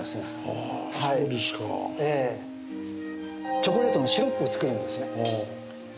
チョコレートのシロップを作るんですね